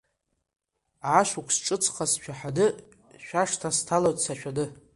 Ашықәс ҿыцха, сшәаҳәаны шәашҭа сҭалоит сашәаны.